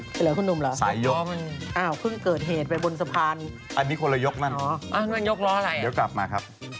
ช่วงหน้ากลับมาดูการยกล้อที่แปลกมาก